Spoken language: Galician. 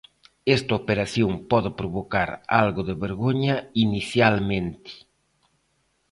Esta operación pode provocar algo de vergoña inicialmente.